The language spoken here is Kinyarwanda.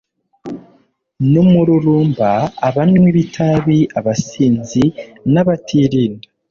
numururumba abanywi bitabi abasinzi nabatirinda